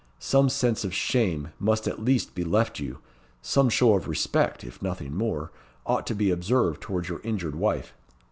Some sense of shame must at least be left you some show of respect (if nothing more) ought to be observed towards your injured wife.